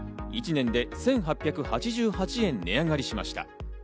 １年で１８８８円値上がりしました。